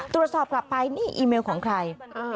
ตรวจสอบกลับไปนี่อีเมลของใคร